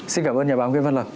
xin cảm ơn nhà báo nguyễn văn lập